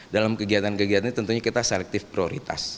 dalam kegiatan kegiatan ini tentunya kita selektif prioritas